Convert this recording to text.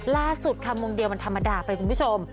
ล่าสุดค่ะมุมเดียวมันธรรมดาไปคุณผู้ชม